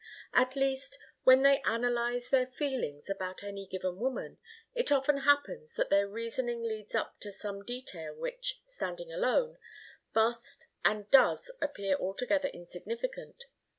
At least, when they analyze their feelings about any given woman, it often happens that their reasoning leads up to some detail which, standing alone, must and does appear altogether insignificant.